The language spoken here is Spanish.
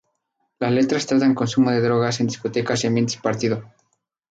Las letras tratan consumo de drogas en discotecas y ambientes partido.